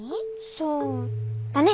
そうだね。